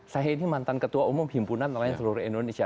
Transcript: saya ini mantan ketua umum himpunan nelayan seluruh indonesia